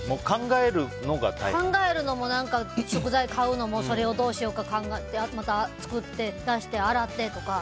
考えるのも、食材買うのもそれをどうしようか考えてまた作って出して、洗ってとか。